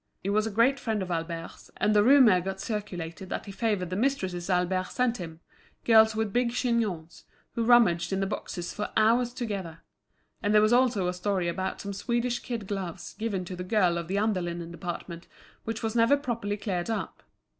He was a great friend of Albert's, and the rumour got circulated that he favoured the mistresses Albert sent him, girls with big chignons, who rummaged in the boxes for hours together; and there was also a story about some Swedish kid gloves given to the girl of the under linen department which was never properly cleared up.